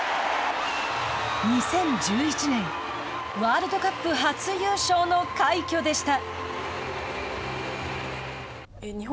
２０１１年ワールドカップ初優勝の快挙でした。